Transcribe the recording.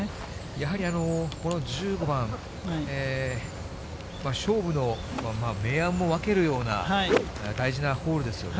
やはり、この１５番、勝負の明暗も分けるような、大事なホールですよね。